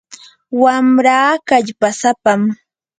wamraa kallpasapam.